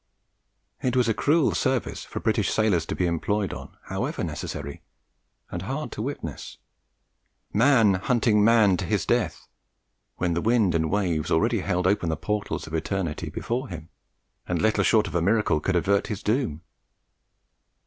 It was a cruel service for British sailors to be employed on, however necessary, and hard to witness. Man hunting man to his death, when the wind and waves already held open the portals of eternity before him, and little short of a miracle could avert his doom!